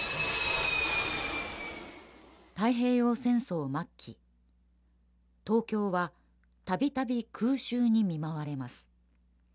太平洋戦争末期、東京はたびたび空襲に見舞われます。